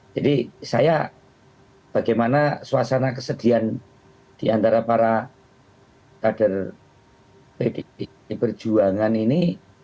jadi saya bagaimana suasana kesedihan diantara para kader pdip berjuangan ini